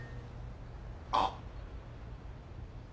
あっ。